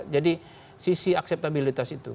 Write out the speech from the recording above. jadi sisi akseptabilitas itu